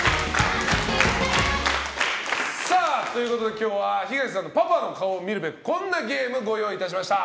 今日は東さんのパパの顔を見るべくこんなゲームをご用意しました。